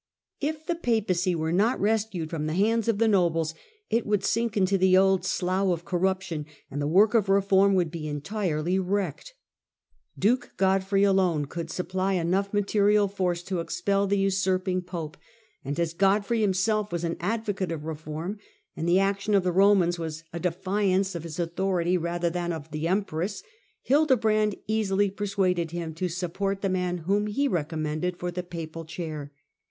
\ If the Papacy were not \ rescued from the hands of the nobles it would sink into 1 the old slough of corruption, and the work of reform would be entirely wrecked, Duke Godfrey alone could supply enough material force to expel the usurping pope ; and as Godfrey himself was an advocate of reform, and the action of the Romans was a defiance of his authority rather than that of the empress, Hildebrand easily per suaded him to support the man whom he recommended for the papal chair.